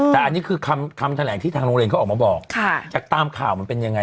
แต่อันนี้คือคำแถลงที่ทางโรงเรียนเขาออกมาบอกจากตามข่าวมันเป็นยังไง